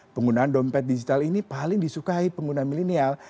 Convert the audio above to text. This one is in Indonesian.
penggunaan dompet digital ini paling disukai pengguna milenial